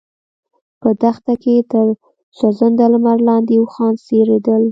په دښته کې تر سوځنده لمر لاندې اوښان څرېدل.